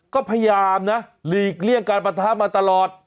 ก็พยายามนะหลีกเลี่ยงการปะทะมาตลอด